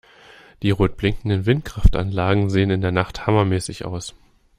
Die rot blinkenden Windkraftanlagen sehen in der Nacht hammermäßig aus!